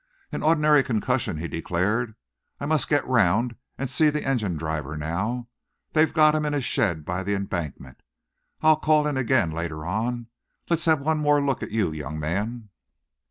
"An ordinary concussion," he declared. "I must get round and see the engine driver now. They have got him in a shed by the embankment. I'll call in again later on. Let's have one more look at you, young man."